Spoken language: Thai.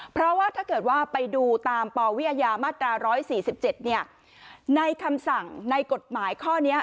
เพราะว่าถ้าเกิดว่าไปดูตามปวิญญาณมาตราร้อยสี่สิบเจ็ดเนี่ยในคำสั่งในกฎหมายข้อนี้